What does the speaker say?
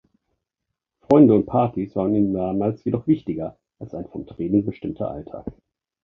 Freunde und Partys waren ihm damals jedoch wichtiger als ein von Training bestimmter Alltag.